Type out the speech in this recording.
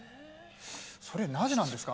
それなぜなんですか？